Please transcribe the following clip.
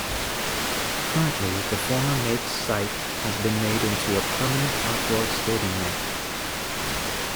Currently, the former Mapes site has been made into a permanent outdoor skating rink.